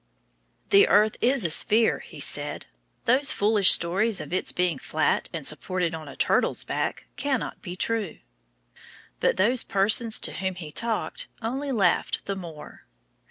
"The earth is a sphere," he said; "those foolish stories of its being flat and supported on a turtle's back cannot be true." But those persons to whom he talked only laughed the more.